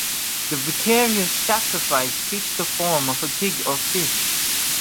The vicarious sacrifice takes the form of a pig or fish.